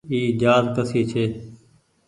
اي جهآز ڪسي ڇي۔